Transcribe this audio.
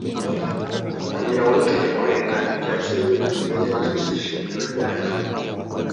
kugira ngo nitujya kwenda ibya kizungu, tubyende tuzi ishingiro ryacu,